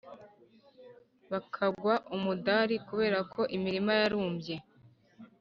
bakagwa umudari, kubera ko imirima yarumbye.